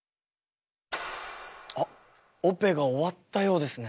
あっオペが終わったようですね。